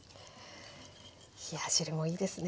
冷や汁もいいですね。